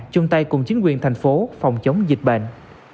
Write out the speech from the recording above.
chung tay cùng chính quyền thành phố phòng chống dịch bệnh